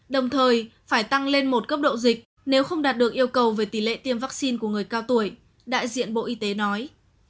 đồng thời phải tăng lên một cấp độ dịch nếu không đạt được yêu cầu về tỷ lệ tiêm vaccine của người cao tuổi đại diện bộ y tế nói